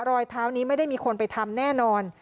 รอยเท้านี้ไม่ได้มีคนไปทำแน่นอน